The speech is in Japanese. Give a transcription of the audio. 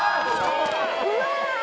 うわ！